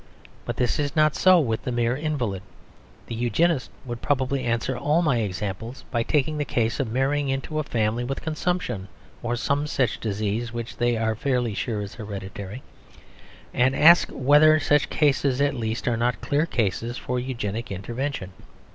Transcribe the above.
But this is not so with the mere invalid. The Eugenists would probably answer all my examples by taking the case of marrying into a family with consumption (or some such disease which they are fairly sure is hereditary) and asking whether such cases at least are not clear cases for a Eugenic intervention.